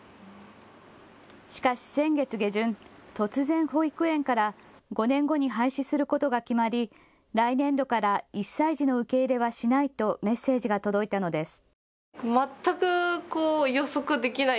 しかし先月下旬、突然、保育園から５年後に廃止することが決まり来年度から１歳児の受け入れはしないとメッセージが届いたのです。